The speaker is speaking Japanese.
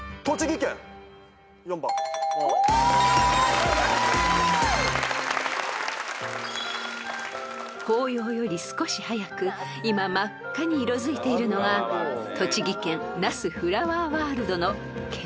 すごい！［紅葉より少し早く今真っ赤に色づいているのが栃木県那須フラワーワールドのケイトウ］